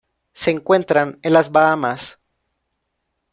Se encuentran en las Bahamas.